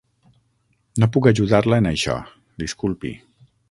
No puc ajudar-la en això, disculpi.